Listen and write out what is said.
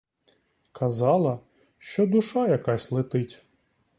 Казала, що душа якась летить.